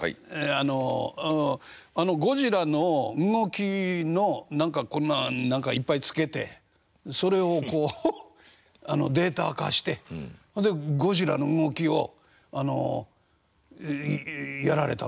あのゴジラの動きの何かこんな何かいっぱいつけてそれをこうデータ化してほんでゴジラの動きをあのやられたんでしょ？